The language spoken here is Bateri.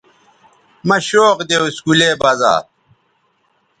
مہ شوق دے اسکولے بزا